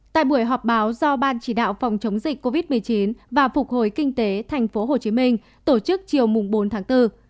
tại buổi họp báo do ban chỉ đạo phòng chống dịch covid một mươi chín và phục hồi kinh tế tp hcm tổ chức chiều bốn tháng bốn